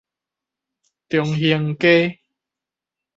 長興街